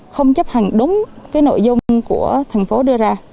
không chấp hành đúng cái nội dung của thành phố đưa ra